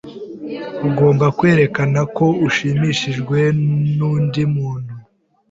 Ugomba kwerekana ko ushimishijwe nundi muntu.